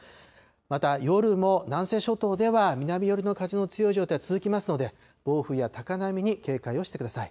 また夜も南西諸島では南寄りの風が強い状態が続きますので、暴風や高波に警戒をしてください。